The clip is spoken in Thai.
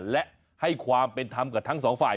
และให้ความเป็นธรรมกับทั้งสองฝ่าย